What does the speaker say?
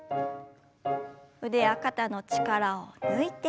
腕や肩の力を抜いて。